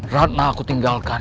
ratna aku tinggalkan